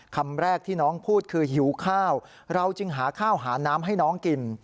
คำแรกที่น้องพูดคือหิวข้าวเราจึงหาข้าวหาน้ำให้น้องกิน